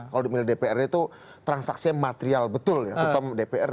kalau memilih dprd itu transaksinya material betul ya terutama dprd